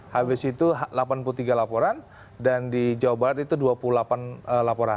habis itu delapan puluh tiga laporan dan di jawa barat itu dua puluh delapan laporan